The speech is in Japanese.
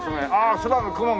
空の雲が。